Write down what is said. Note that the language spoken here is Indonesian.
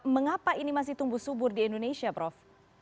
mengapa ini masih tumbuh subur di indonesia prof